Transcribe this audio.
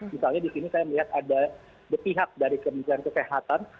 misalnya disini saya melihat ada pihak dari kementerian kesehatan